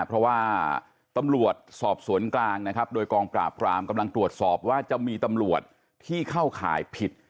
เพราะว่าตำรวจสอบสวนกลางนะครับโดยกองปราบรามกำลังตรวจสอบว่าจะมีตำรวจที่เข้าข่ายผิด